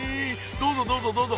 どうぞどうぞどうぞ！